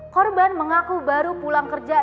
korban mengaku baru pulang kerja